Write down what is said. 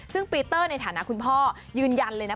ซึ่งปีเตอร์ในฐานะคุณพ่อยืนยันเลยนะ